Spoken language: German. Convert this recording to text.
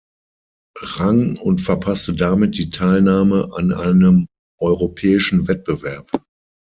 Rang und verpasste damit die Teilnahme an einem europäischen Wettbewerb.